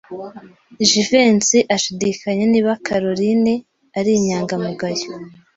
Jivency ashidikanya niba Kalorina ari inyangamugayo.